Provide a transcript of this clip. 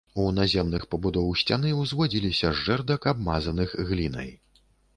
У наземных пабудоў сцяны ўзводзіліся з жэрдак, абмазаных глінай.